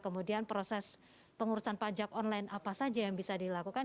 kemudian proses pengurusan pajak online apa saja yang bisa dilakukan